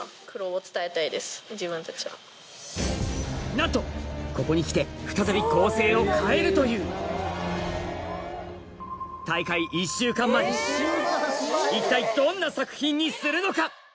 なんとここに来て再び構成を変えるという一体どんな作品にするのか？